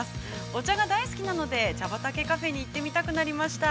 お茶が大好きなので茶畑カフェに行ってみたくなりました。